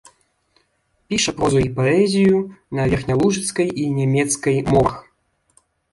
Піша прозу і паэзію на верхнялужыцкай і нямецкай мовах.